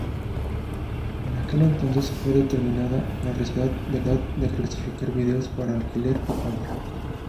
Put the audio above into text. En aquel entonces, fue determinada la responsabilidad de clasificar videos para alquiler o compra.